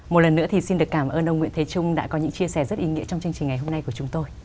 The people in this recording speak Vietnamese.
một lần nữa thì xin được cảm ơn ông nguyễn thế trung đã có những chia sẻ rất ý nghĩa trong chương trình ngày hôm nay của chúng tôi